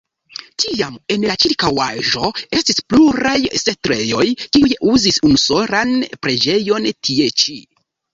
Tiam en la ĉirkaŭaĵo estis pluraj setlejoj, kiuj uzis unusolan preĝejon tie ĉi.